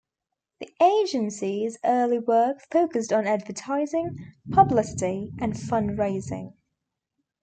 The agency's early work focused on advertising, publicity, and fundraising.